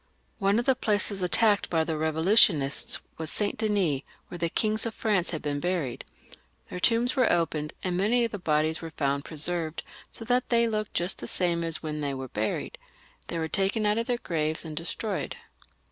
One of the places attacked by the Revolutionists was Saint Denis, where the kings of France had been buried. Their tombs were opened, and many of the bodies were found presearved, so that they looked just the same as when they were buried. They were taken out of their graves and destroyed.